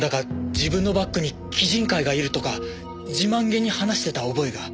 自分のバックにキジン会がいるとか自慢げに話してた覚えが。